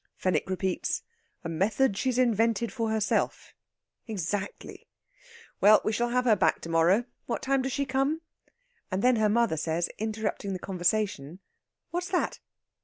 Fenwick repeats, "A method she's invented for herself. Exactly. Well, we shall have her back to morrow. What time does she come?" And then her mother says, interrupting the conversation: "What's that?"